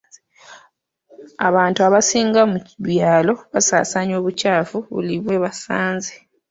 Abantu abasinga mu byalo basaasaanya obukyafu buli we basanze.